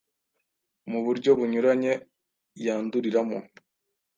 Mu buryo bunyuranye yanduriramo